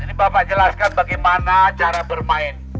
ini bapak jelaskan bagaimana cara bermain